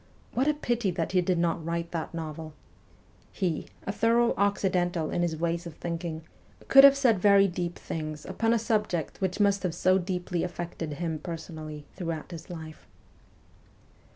What a pity that he did not write that novel ! He, a thorough ' Occidental ' in his ways of thinking, could have said very deep things upon a subject which must have so deeply affected him perso nally throughout his life.